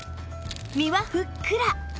身はふっくら！